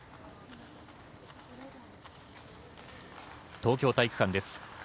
東京体育館です。